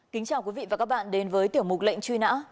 kính chào quý vị và các bạn đến với tiểu mục lệnh truy nã